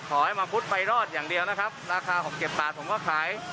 ขอให้มังคุดไปรอดอย่างเดียวนะครับราคาของเก็บตาผมก็ขาย